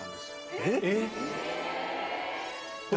えっ？